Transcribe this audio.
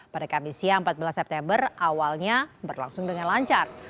pada kamis siang empat belas september awalnya berlangsung dengan lancar